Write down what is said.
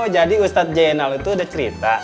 jadi ustadz jnl itu udah cerita